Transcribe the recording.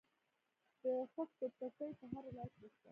د خښتو بټۍ په هر ولایت کې شته